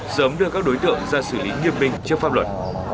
sớm đưa các đối tượng ra xử lý nghiêm minh trước pháp luật